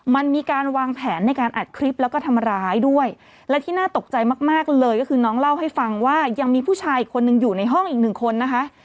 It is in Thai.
มันมีการวางแผนในการอัดคลิปแล้วก็ทำร้ายด้วยและที่น่าตกใจมากมากเลยก็คือน้องเล่าให้ฟังว่ายังมีผู้ชายอีกคนนึงอยู่ในห้องอีกหนึ่งคนนะคะ